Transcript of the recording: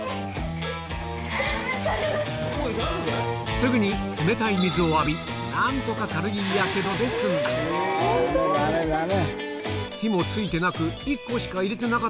すぐに冷たい水を浴び何とか軽いやけどで済んだダメダメダメ。